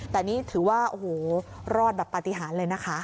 แต่นี่ถือว่าโอ้โหรอดแบบปฏิหารเลยนะคะ